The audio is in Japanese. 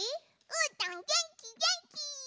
うーたんげんきげんき！